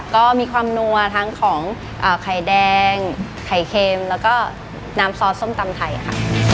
ก็มีความนัวทั้งของไข่แดงไข่เค็มแล้วก็น้ำซอสส้มตำไทยค่ะ